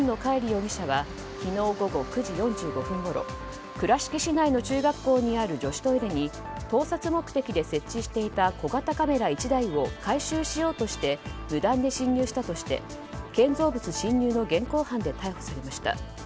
容疑者は昨日午後９時４５分ごろ倉敷市内の中学校にある女子トイレに盗撮目的で設置していた小型カメラ１台を回収しようとして無断で侵入したとして建造物侵入の現行犯で逮捕されました。